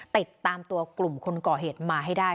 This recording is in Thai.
ติดตามตัวกลุ่มคนก่อเหตุมาให้ได้